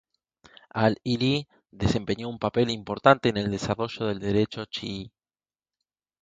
Al-Ḥilli desempeñó un papel importante en el desarrollo del derecho chií.